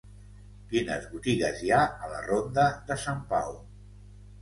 Quines botigues hi ha a la ronda de Sant Pau?